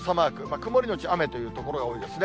曇り後雨という所が多いですね。